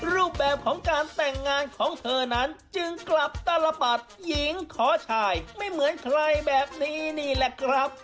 รูปแบบของการแต่งงานของเธอนั้นจึงกลับตลปัดหญิงขอชายไม่เหมือนใครแบบนี้นี่แหละครับ